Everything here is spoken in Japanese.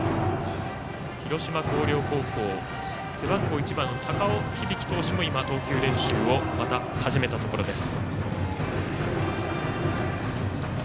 広島・広陵高校背番号１番の高尾響投手も今、投球練習をまた始めたところです。